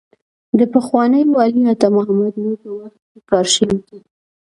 د پخواني والي عطا محمد نور په وخت کې کار شوی دی.